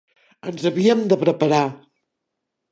Ens havíem de preparar